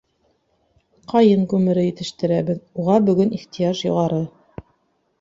Ҡайын күмере етештерәбеҙ, уға бөгөн ихтыяж юғары.